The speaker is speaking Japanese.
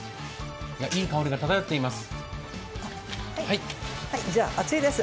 いい香りが漂っています。